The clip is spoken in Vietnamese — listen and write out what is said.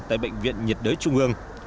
tại bệnh viện nhiệt đới trung ương